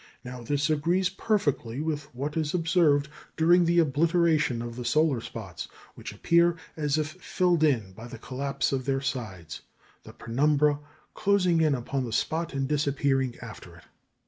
Now this agrees perfectly with what is observed during the obliteration of the solar spots, which appear as if filled in by the collapse of their sides, the penumbra closing in upon the spot and disappearing after it."